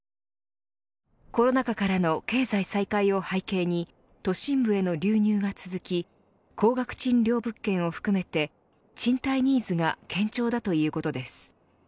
コロナ禍からの経済再開を背景に都心部への流入が続き高額賃料物件を含めて賃貸ニーズが堅調だということです。